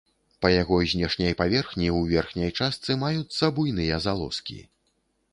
Па яго знешняй паверхні ў верхняй частцы маюцца буйныя залозкі.